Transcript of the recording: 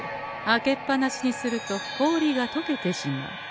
開けっ放しにすると氷がとけてしまう。